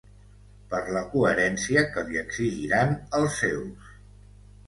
Per la coherència que li exigiran els seus.